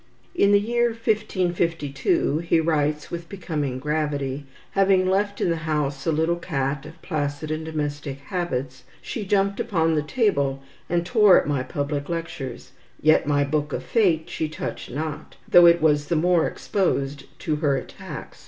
"In the year 1552," he writes with becoming gravity, "having left in the house a little cat of placid and domestic habits, she jumped upon my table, and tore at my public lectures; yet my Book of Fate she touched not, though it was the more exposed to her attacks.